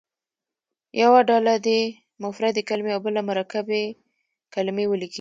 یوه ډله دې مفردې کلمې او بله مرکبې کلمې ولیکي.